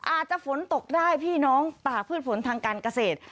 อาจจะฝนตกได้พี่น้องตากพืชผลทางการเกษตร